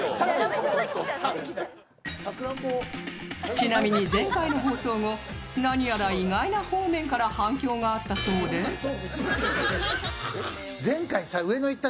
ちなみに前回の放送後、何やら意外な方面から反響があったそうでＬＯＶＥＩＴ！